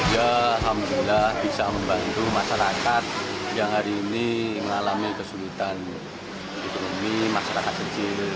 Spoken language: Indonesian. ya alhamdulillah bisa membantu masyarakat yang hari ini mengalami kesulitan ekonomi masyarakat kecil